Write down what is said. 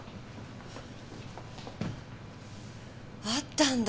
あったんだ。